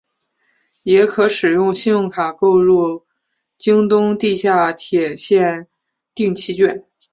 也可使用信用卡购入东京地下铁线定期券。